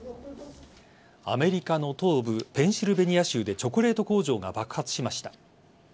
アメリカの東部・ペンシルベニア州でチョコレート工場が爆発しました。